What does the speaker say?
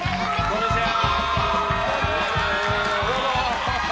こんにちは。